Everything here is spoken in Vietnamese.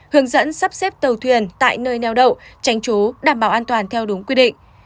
hướng dẫn sắp xếp tàu thuyền tại nơi neo đậu tránh trú đảm bảo an toàn theo đúng quy định